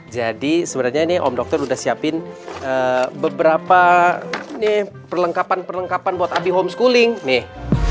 jadi sebenarnya nih om dokter udah siapin beberapa perlengkapan perlengkapan buat abi homeschooling nih